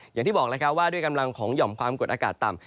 อย่างที่บอกแล้วครับว่าด้วยกำลังของหย่อมความกดอากาศต่ำ